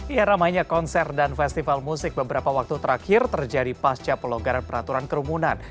ya ramainya konser dan festival musik beberapa waktu terakhir terjadi pasca pelonggaran peraturan kerumunan